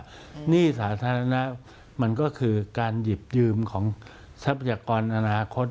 หนี้สาธารณะมันก็คือการหยิบยืมของทรัพยากรอนาคต